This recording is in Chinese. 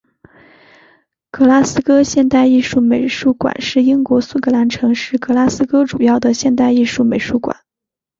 格拉斯哥现代艺术美术馆是英国苏格兰城市格拉斯哥主要的现代艺术美术馆。